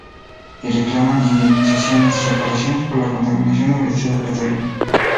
Y reclaman indemnizaciones y reparaciones por la contaminación de la industria del petróleo.